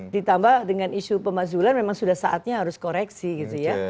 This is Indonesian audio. ditambah dengan isu pemakzulan memang sudah saatnya harus koreksi gitu ya